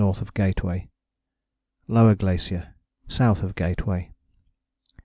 of Gateway]. Lower Glacier [S. of Gateway].